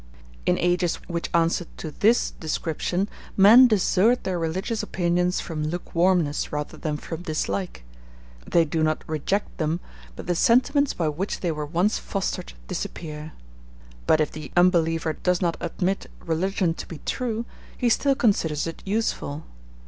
In ages which answer to this description, men desert their religious opinions from lukewarmness rather than from dislike; they do not reject them, but the sentiments by which they were once fostered disappear. But if the unbeliever does not admit religion to be true, he still considers it useful.